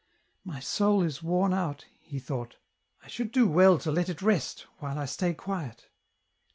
" My soul is worn out," he thought, " I should do well to let it rest, while I stay quiet."